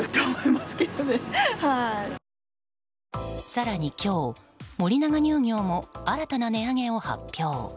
更に今日、森永乳業も新たな値上げを発表。